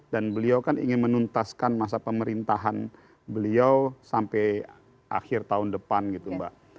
dan beliau kan ingin menuntaskan masa pemerintahan beliau sampai akhir tahun depan gitu mbak